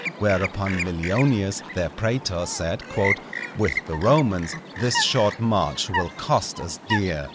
Whereupon Millionius, their prætor, said, "With the Romans this short march will cost us dear."